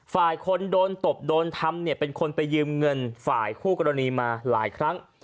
ฝ่ายคนโดนตบโดนทำเนี่ยเป็นคนไปยืมเงินฝ่ายคู่กรณีมาหลายครั้ง